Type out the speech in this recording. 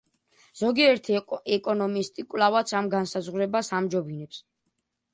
ზოგიერთი ეკონომისტი კვლავაც ამ განსაზღვრებას ამჯობინებს.